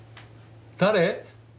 誰？